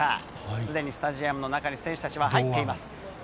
すでにスタジアムの中に選手たちは入っています。